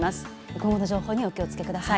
今後の情報にお気をつけください。